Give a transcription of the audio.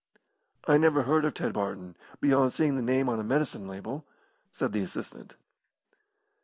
"I never heard of Ted Barton, beyond seeing the name on a medicine label," said the assistant.